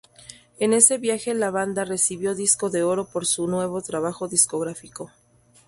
En ese viaje la banda recibió Disco de Oro por su nuevo trabajo discográfico.